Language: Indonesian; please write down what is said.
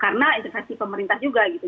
karena intervensi pemerintah juga gitu